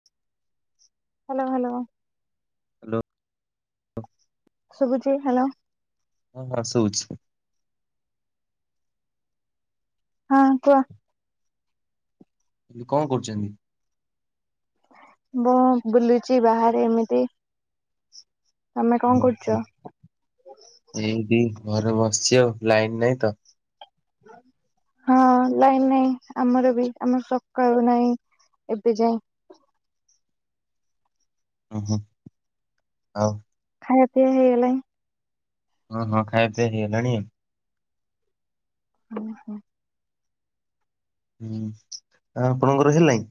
[inaudible] [unintelligible] Hello. Hello. Hello. ହ ଶୁଭୁଛି? Hello. ହଁ ହଁ ଶୁଭୁଚି। ହଁ। କୁହ? କଣ କରୁଛନ୍ତି? ବୁ, ବୁଲୁଛି ବାହାରେ ଏମିତି। ତମେ କଣ ଓ କରୁଛ ଏଇଠି ଘରେ ବସିଛି ଆଉ, ଲାଇନ୍ ନାଇଁ ତ। ହଁ ଲାଇନ ନାଇଁ। ଆମର ବି, ଆମର ସକାଳୁ ନାଇଁ। ଏବେ ଯାଏ। ହୁଁ ହୁଁ ଆଉ। ଖାଇବା ପିଆ ହେଇଗଲାଣିଁ। ହଁ ହଁ ଖାଇଆପିଇଆ ହେଇଗଲାଣି ଆଉ। ହୁଁ ହୁଁ ହୁଁ ଆପଣଙ୍କର ହେଲାଣି।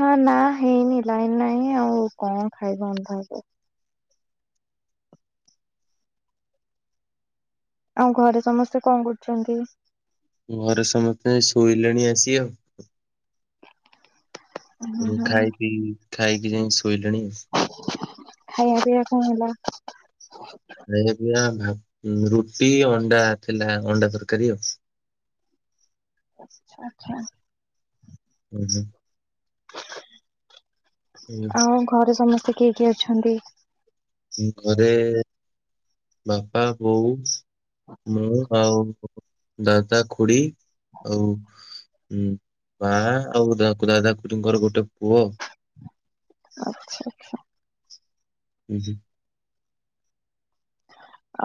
ହଁ ନା ହେଇନି ଲାଇନ ନାହିଁ ଆଉ କଣ ଖାଇବ ଅନ୍ଧାର ରେ। ଆଉ ଘରେ ସମସ୍ତେ କଣ କରୁଛନ୍ତି? ଘରେ ସମସ୍ତେ ଶୋଇଲେଣି ଆସି ଆଉ। ଖାଇକି ହଁ ପାଇକି ଖାଇକି ଯାଇ ଶୋଇଲେଣି। ଖାଇବା ପିଇବା କଣ ହେଲା? ଖାଇବା ପାଇବା ଭା ରୁଟି ଅଣ୍ଡା ଥିଲା ଅଣ୍ଡା ତରକାରୀ ଆଉ। ଆଚ୍ଛା ହୁଁ ହୁଁ ଆଉ ଘରେ ସମସ୍ତେ କିଏ କିଏ ଅଛନ୍ତି? ଘରେ ବାପା ବୋଉ ମୁଁ ଆଉ ଦାଦା ଖୁଡି ଆଉ ହୁଁ ମା ଆଉ ଦାଦା ଖୁଡିଙ୍କର ଗୋଟେ ପୁଅ। ଆଚ୍ଛା ହୁଁ ହୁଁ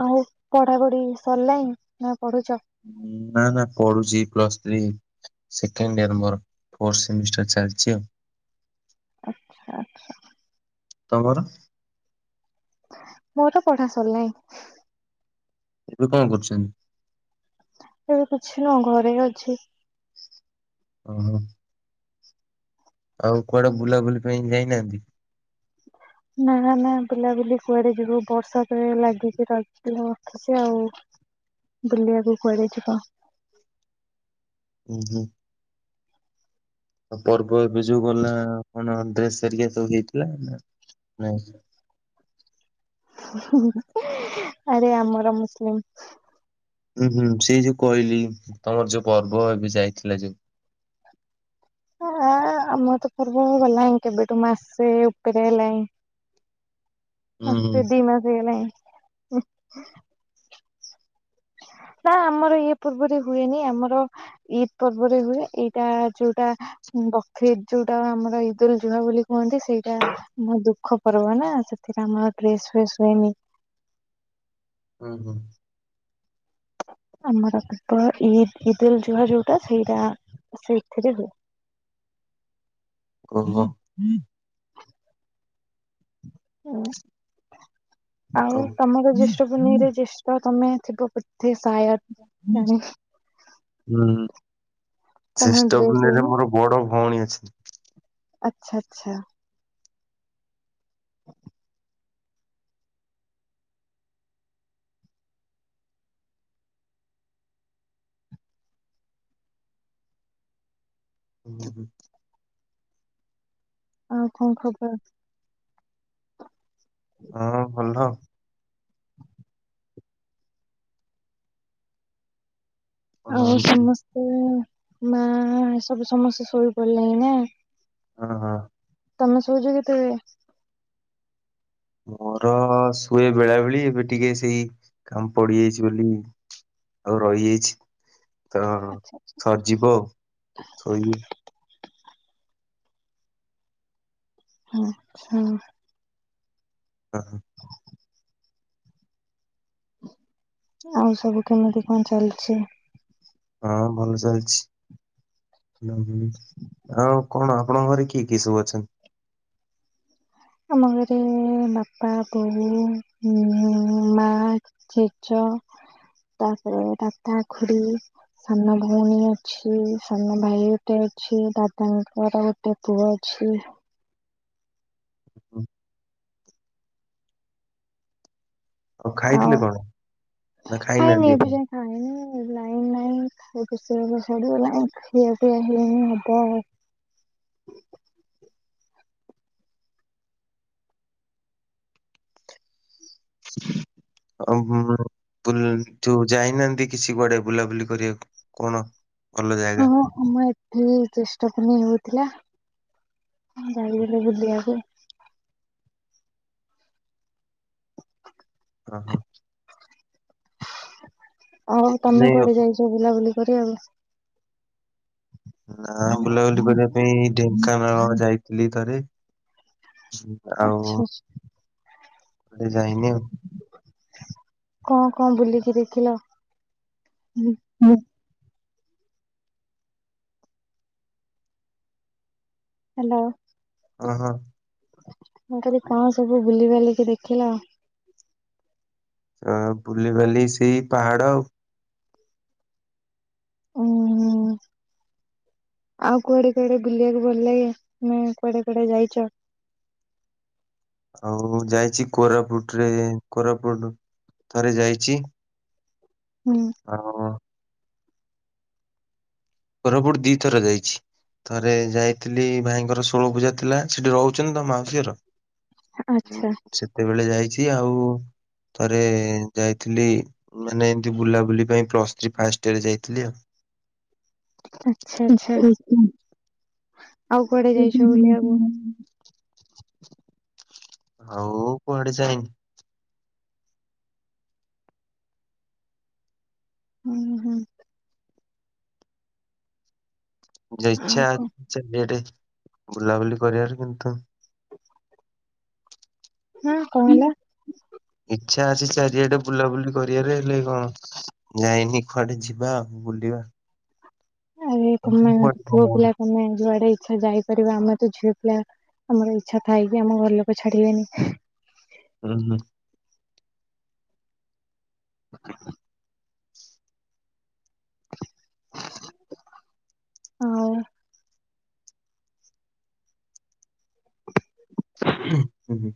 ଆଉ ପଢା ପଢି ସରିଲାଣି? ନା ପଢୁଛ। ନା ନା ପଢୁଛି ପ୍ଲସ୍ ଥ୍ରୀ। ସେଣ୍ଡ ଏଅର ମୋର ଫୋର୍ଥ ସେମିମିଷ୍ଟର ଚାଲିଛି ଆଉ। ଆଚ୍ଛା ଆଚ୍ଛା ତମର ମୋର ପଢା ସରିଲାଣି। ଏବେ କଣ କରୁଛନ୍ତି ଏବେ କିଛି ନ ଘରେ ଅଛି ଓ ହୋ। ଆଉ କୁଆଡେ ବୁଲାବୁଲି ପାଇଁ ଯାଇନାହାନ୍ତି ନା ନା ବୁଲା ବୁଲି କୁଆଡ ଯିବୁ ବର୍ଷା ତ ଲାଗିଛି ରହିିଲ ସେ ଆଉ ବୁଲିବାକୁ କୁଆଡେ ଯିବ ହୁଁ ହୁଁ ପର୍ବ ଏବେ ଯୋଉ ଗଲା କଣ ଡ୍ରେସ ହେରିକା ସବୁ ହେଇଥିଲା ନାଇଁ ଆରେ ଆମର ମୁସଲିମ ହୁଁ ହୁଁ ସେ ଯୋଉ କହିଲି ତମର ଯୋଉ ପର୍ବ ଏବେ ଯାଇଥିଲା ଯୋଉ ଆ ଆମର ତ ପର୍ବ ଗଲାଣିି କେବେଠୁ ମାସେ ଉପରେ ହେଲାଣିି ହୁଁ ହୁଁ। ମାସେ ଦି ମାସ ହେଇଲାଣି ନା ଆମର ଇଏ ପୂର୍ବରେ ହୁଏନି ଆମର ଇଦ୍ ପର୍ବରେ ହୁଏ ଏଇଟା ଯୋଉଟା ବକୀ ଯୋଉଟା ଆମର ଇଦ୍ ଉଲ୍ ଜୁହା ବୋଲି କୁହନ୍ତି ସେଇଟା ମୋ ଦୁଃଖ ପର୍ବ ନା ସେଥିରେ ଆମର ଡ୍ରେସ୍ ଫେସ୍ ହୁଏନି ହଁ ହଁ ଆମର କେବଳ ଇଦ୍ ଇଦ୍ ଉଲ ଯୁହା ଯୋଉଟା ସେଇଟା ସେ ଏଥିରେ ହୁଏ କ ହଁ [inaudible] ଆଉ ତମର ଜ୍ୟେଷ୍ଠ ହୁଁ ଭୂମିରେ ଜ୍ୟେଷ୍ଠ ତମେ ଥିବ ବଧେ ସାୟଦ [unintelligible] ଜାଣି ହୁଁ ଉଁ। ତମର ଡ୍ରେସ ଶ୍ରୀଷ୍ଟପୁରରେ ହେଇନି ମୋର ବଡ ଭଉଣୀ ଅଛି। ଆଚ୍ଛା ଆଚ୍ଛା। ଉଁ ହୁଁ। ଆଉ ଖଁ ଖବର? ହଁ ଭଲ। କଣ ଆଉ ହଁ ସମସ୍ତେ ମା ଏସବୁ ସମସ୍ତେ ଶୋଇପଇଲଣିି ନା? ହଁ ହଁ। ତମେ ଶୋଉଚ କେତେବେଳେ? ମୋର ଶୁଏ ବେଳାବେଳେ ଏବେ ଟିକେ ସେଇ କାମ ପଡିଯାଇଚି ବେଲି ଆଉ ରହିଯାଇଛି ତ ଆଚ୍ଛା ସରିଯିବ ଆଉ ଶୋଇବି। ହଁ ହଁ। ହ ହଁ ଆଉ ସବୁ କେମିତି କଣ ଚାଲିଛି? ହଁ ଭଲ ଚାଲିଛି। [unintelligible] ଆଉ କଣ ଆପଣଙ୍କ ଘରେ କିଏ କିଏ ସବୁ ଅଛନ୍ତି? ଆମ ଘରେ ବାପା ବୋଉ ଉଁ ମା ଜେଜ ତାପରେ ଦାଦା ଖୁଡି ସାନ ଭଉଣୀ ଅଛି ସାନ ଭାଇ ଗୋଟେ ଅଛି ଦାଦାଙ୍କର ଗୋଟ୍ ଟେ ପୁଅ ଅଛି। ଆଉ ଖାଇଥିଲେ କଣ ନା ଖାଇନି ଖାଇନାହାନ୍ତି ଏବେ ଆପଣ? ଯାଏଁ ଖାଇନି ଲାଇନ୍ ନାଇଁ। ରୋଷେଇ ବାସ ସିରିଗଲା ଆଉ ଖିଆ ପିଆ ହବ ଆଉ। ଅହଂ ଏମିତି ଯାଇନାହାନ୍ତି କିଛି କୁଆଡେ ବୁଲାବୁଲି କରିଆକୁ କଣ ଭଲ ଜାଗା? ହଁ ଆମ ଏଠି ଜେଷ୍ଟ ପୁନେଇ ହଉଥିଲା ମୁଁ ଯାଇଥିଲି ବୁଲିଆକୁ। ଅ ହ। ଆଉ ମାନେ ତମେ କୁଆଡେ ଯାଇଚ ବୁଲାବୁଲି କରିଆକୁ? ଆମେ ବୁଲାବୁଲି କରିଆ ପାଇଁ ଢେଙ୍କାନାଳ ଯାଇଥିଲି ଥରେ। ଆଉ ଆଚ୍ଛା କୁଆଡେ ଯାଇନି ଆଉ। କଁ କଁ ବୁଲିକି ଦେଖିଲ? ହୁଁ ହାଲୋ। ଓ ହ। ମୁଁ କଇଲି କଁ ସବୁ ବୁଲି ବାଲିକି ଦେଖିଲ? ଅ ବୁଲିିବାଲି ସେଇ ପାହାଡ। ଉଁ [unintelligible] ଆଉ କୁଆଡେ କୁଆଡେ ବୁଲିବାକୁ ଭଲ ଲାଗେ ନା କୁଆଡେ କୁଆଡେ ଯାଇଚ? ଆଉ ଯାଇଚି କୋରାପୁଟ ରେ ଯାଇ କୋରାପୁଟ୍ ଥରେ ଯାଇଚି। ହୁଁ। ଅ ହ। କୋରପୁଟ୍ ଦି ଥର ଯାଇଛି। ଥରେ ଯାଇଥିଲି ଭାଇଙ୍କର ଷୋଳ ପୂଜା ଥିଲା ସେଠି ରହୁଛନ୍ତି ତ ମାଉସିଘର। ଆଚ୍ଛା ସେତେବେଳେ ଯାଇଛି ଆଉ ଥରେ ଯାଇଥିଲି ମାନେ ଏମିତି ବୁଲାବୁଲି ପାଇଁ ପ୍ଲସ୍ ଥ୍ରୀ ଫାଷ୍ଟ ଡିୟର୍ ଯାଇଥିଲି ଆଉ। ଆଚ୍ଛା। [unintelligible] ଆଉ କୁଆଡେ ଯାଇଛ ବୁଲିବାକୁ? ହଉ କୁଆଡେ ଯାଇନି ଉଁ, ହୁଁ। ଆଉ କଣ? [unintelligible] ହଁ, କଣ ହେଲା? ଇଚ୍ଛା ଅଛି ଚାରିଆଡେ ବୁଲାବୁଲି କରିବାରେ, ହେଲେ କଣ ଯାଇନି କୁଆଡେ ଯିବା ଆଉ, ବୁଲିବା। ଆରେ ତମେ ପୁଅ ପିଲା ତମେ ଯୁଆଡେ ଇଛା ଯାଇପାରିବ, ଆମେ ତ ଝିଅ ପିଲା। ଆମର ଇଚ୍ଛା ଥାଇ ବି ଆମ ଘର ଲୋକ ଛାଡିବେନି। ଉଁ, ହୁଁ। [unintelligible] କୁହ। [unintelligible] ଉଁ, ହୁଁ।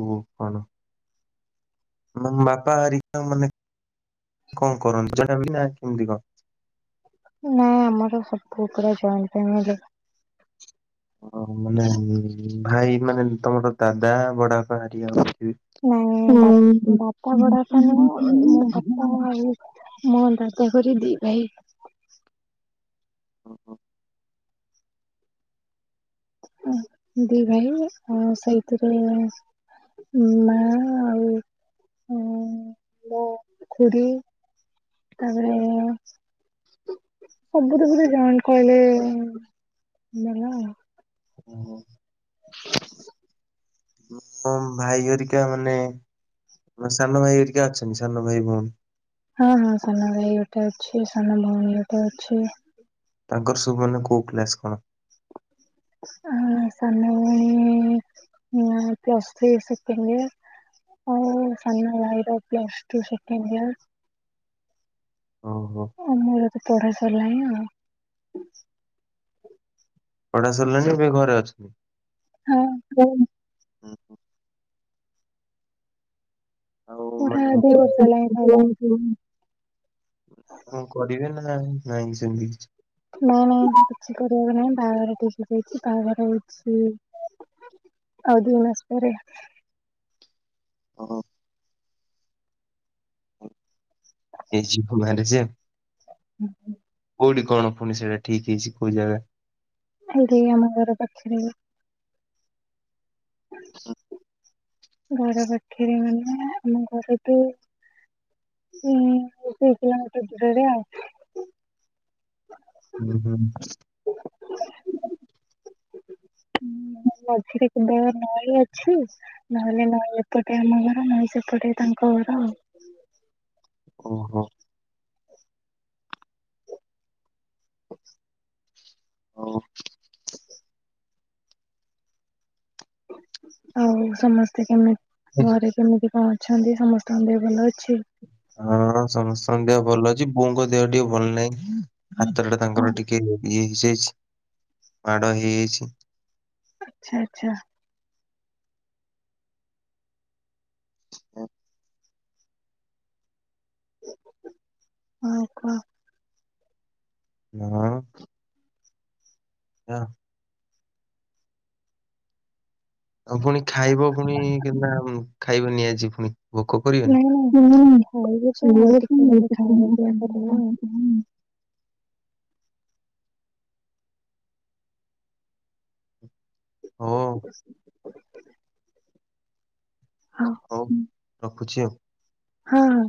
ଓହୋ, କଣ? ମ ବାପା ହରିକା ମାନେ କଣ କରନ୍ତି ଜବ ନା କେମତି କଣ? ନାଇଁ ଆମର ସବୁ ପା ଜଏଣ୍ଟ ଫାମିଲି। ଓହୋ, ମାନେ ଭାଇ ମାନେ ତମର ଦାଦା, ବଡ ବାପା, ହରିକା ଅଛି ନାଇଁ, ଦା ବଡ ତ ନ ମୁଁ [unintelligible] ଆମର ଆଉ ଦାଦାଙ୍କର ଦି ଭାଇ। ଓ ହୋ। ଦି ଭାଇରେ, ଆମେ ସେଇଥିରେ ମା ଆଉ ମୋ ଖୁଡି ତାପରେ ସବୁ ଦେ ବଧେ ଜଣ କହିଲେ ମଲ। [unintelligible] ଓହୋ। ମୋ ଭାଇ ହରିକା ମାନେ ମ ସାନ ଭାଇ ହରିକା ଅଛନ୍ତି। ସାନ ଭାଇ ଭଉଣୀ। ହଁ ହଁ, ସାନ ଭାଇ ଗୋଟେ ଅଛି। ସାନ ଭଉଣୀ ଗୋଟେ ଅଛି। ତାଙ୍କର ସବୁ ମାନେ କଉ କ୍ଲାସ କଣ? ଆଉ ମୋ ସାନ ଭଉଣୀ ପ୍ଲସ ଥ୍ରୀ ସେକେଣ୍ଡ ଇଏର। ଆଉ ମୋ ସାନ ଭାଇର ପ୍ଲସ ଟୁ ସେକେଣ୍ଡ ଇଅର୍। ଓହୋ। ଆ ମୋର ତ ପଢା ସାରିଲାଣି। ପଢା ସରିଲାଣି ଏବେ ଘରେ ଅଛନ୍ତି? ହଁ ଆଉ ପଢା ମାନେ ଦି ବର୍ଷ ହେଲାଣି ସଇଲାଣି କଣ କରିବେ ନା ନାହିଁ ସେମିତି କିଛି? ନାଇଁ ନାଇଁ କିଛି କରିବାକୁ ନାଇଁ ବାହାଘର ଠିକ ହେଇ ଯାଇଛି। ବାହାଘର ହଉଚି ଆଉ ଦି ମାସ ପରେ। ଓହୋ। ଏଇ ଯିବ ବାହହାର ଯେ [unintelligible] ହୁଁ କୋଉଠି କହୁନ ଫୁଣି ସେଇଟା ଠିକ ହେଇଛି କୋଉ ଜାଗା? ଏଇଠି ଆମ ଘର ପାଖରେ। ହ ଘର ପାଖରେ ମାନେ ଆମ ଘର ଟୁ ହୁଁ ସେଇ କିଲୋମିଟର ଦୂରରେ ଆଉ। ଉ ହୁଁ। [unintelligible] ହୁଁ ମଝିରେ କେବେ ନଳୀ ଅଛି? ନହେଲେ ନଈ ଏପଟେ ଆମ ଗାଁ ନଈ ସେପଟେ ତାଙ୍କ ଗାଁ ଆଉ। ଓହୋ। ହ ହଁ। ଆଉ ସମସ୍ତେ କେମିତି ଘରେ କେମିତି କଣ ଅଛନ୍ତି ସମସ୍ତଙ୍କ ଦେହ ଭଲ ଅଛି? ହଁ ସମସ୍ତଙ୍କ ଦେହ ଭଲ ଅଛି ବୋଉ ଙ୍କ ଦେହ ଟିକେ ଭଲ ନାହିଁ ହାତଟା ତାଙ୍କର ଟିକେ ଇଏ ହେଇଯାଇଛି ମାଡ ହେଇଯାଇଛି। ଆଛା ଆଛା। ହଁ। ଆଉ କହ? [unintelligible] ତା ଆଉ ପୁଣି ଖାଇବ ପୁଣି କେତା ଖାଇବନି ଫୁଣି ଆଜି। ଭୋକ କରିବେନି ନାଇଁ ନାଇଁ ଖାଇବୁ ଯେ ଆଉ ଟିକେ ହେଲେ ଖାଇବା ପିଇବା କରିବା [unintelligible] ହଁ। ହାଁ। ହଉ ରଖୁଛି ଆଉ? ହଁ।